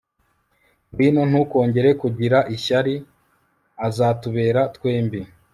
ngwino, ntukongere kugira ishyari, azatubera twembi